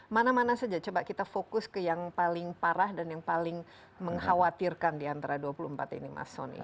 mana mana saja coba kita fokus ke yang paling parah dan yang paling mengkhawatirkan di antara dua puluh empat ini mas soni